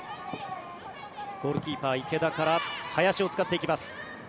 ゴールキーパー、池田から林を使っていきます。